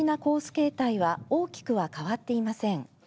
形態は大きくは変わっていません。